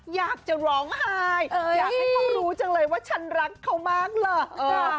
อยากจะร้องไห้อยากให้เขารู้จังเลยว่าฉันรักเขามากเหรอ